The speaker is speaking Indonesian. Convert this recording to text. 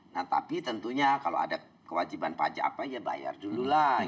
nah tapi tentunya kalau ada kewajiban pajak apa ya bayar dulu lah